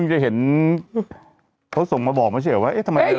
ต้องเป็นพนักงานประจำ